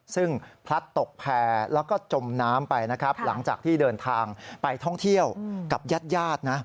ซึ่งพลัดตกแพร่แล้วก็จมน้ำไปนะครับหลังจากที่เดินทางไปท่องเที่ยวกับญาติญาตินะ